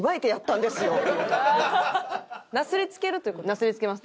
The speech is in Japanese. なすりつけます。